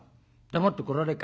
黙って来られるか？」。